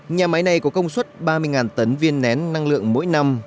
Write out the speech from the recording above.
nhà máy này có công suất ba mươi tấn viên nén năng lượng mỗi năm